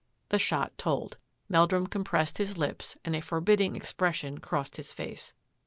'" The shot told. Meldrum compressed his lips and a forbidding expression crossed his face.